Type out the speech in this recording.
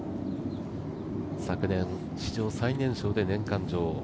昨年史上最年少で年間女王。